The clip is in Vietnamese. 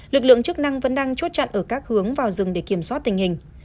lực lượng chức năng vẫn đang chốt chặn ở các hướng vào rừng để kiểm soát tình hình